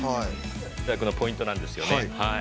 ◆ポイントなんですよね。